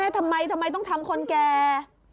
ทำไมทำไมทำคนแก